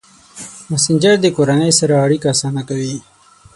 مسېنجر د کورنۍ سره اړیکه اسانه کوي.